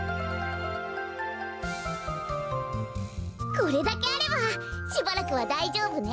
これだけあればしばらくはだいじょうぶね。